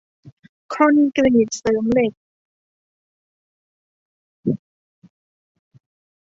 คอนกรีตเสริมเหล็ก